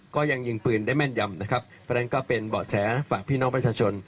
ก็ยังยิงปืนได้แม่นยำนะครับเพราะฉะนั้นก็เป็นเบาะแสฝากพี่น้องประชาชน